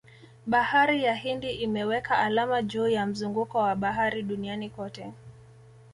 Bahari ya Hindi imeweka alama juu ya mzunguko wa bahari duniani kote